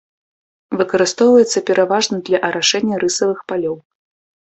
Выкарыстоўваецца пераважна для арашэння рысавых палёў.